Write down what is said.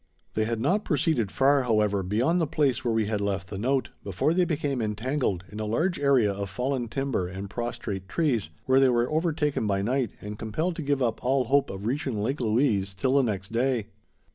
They had not proceeded far, however, beyond the place where we had left the note, before they became entangled in a large area of fallen timber and prostrate trees, where they were overtaken by night and compelled to give up all hope of reaching Lake Louise till the next day.